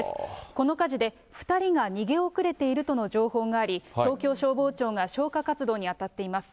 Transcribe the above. この火事で２人が逃げ遅れているとの情報があり、東京消防庁が消火活動に当たっています。